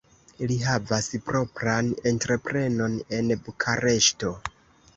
Li havas propran entreprenon en Bukareŝto.